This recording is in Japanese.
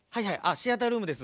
シアタールームです。